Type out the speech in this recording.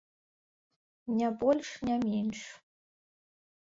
Не больш, не менш.